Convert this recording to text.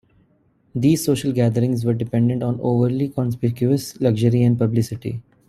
These social gatherings were dependent on overly conspicuous luxury and publicity.